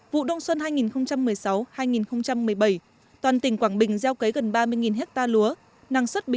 vụ đông xuân hai nghìn một mươi sáu hai nghìn một mươi bảy toàn tỉnh quảng bình gieo cấy gần ba mươi ha lúa